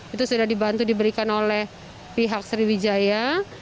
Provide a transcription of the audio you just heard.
itu sudah dibantu diberikan oleh pihak sriwijaya